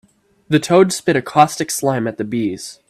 The toad spit a caustic slime at the bees.